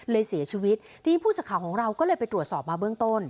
เสียชีวิตทีนี้ผู้สื่อข่าวของเราก็เลยไปตรวจสอบมาเบื้องต้น